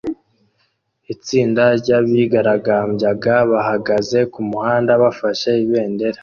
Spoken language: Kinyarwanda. Itsinda ry'abigaragambyaga bahagaze ku muhanda bafashe ibendera